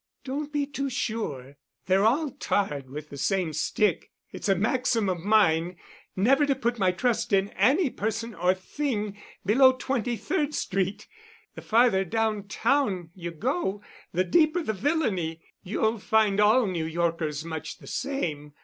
"Don't be too sure. They're all tarred with the same stick. It's a maxim of mine never to put my trust in any person or thing below Twenty third Street. The farther downtown you go, the deeper the villainy. You'll find all New Yorkers much the same.